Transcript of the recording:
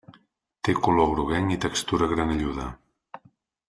Té color groguenc i textura granelluda.